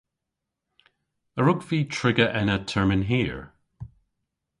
A wrug vy triga ena termyn hir?